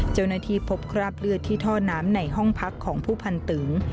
เจ้าหน้าที่พบคราบเลือดที่ท่อน้ำในห้องพักของผู้พันตึง